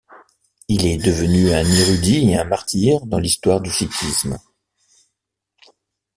Il est devenu un érudit et un martyr dans l'histoire du sikhisme.